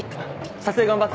撮影頑張って。